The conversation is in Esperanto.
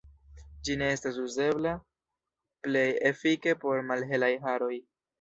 Ĝi ne estas uzebla plej efike por malhelaj haroj.